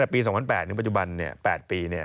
แต่ปี๒๐๐๘ถึงปัจจุบันเนี่ย๘ปีเนี่ย